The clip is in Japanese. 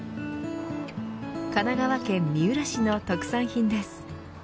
神奈川県三浦市の特産品です。